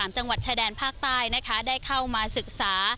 จังหวัดชายแดนภาคใต้นะคะได้เข้ามาศึกษา